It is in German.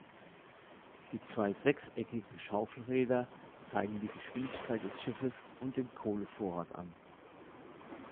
Die zwei sechseckigen „Schaufelräder“ zeigen die Geschwindigkeit des Schiffes und den Kohlevorrat an.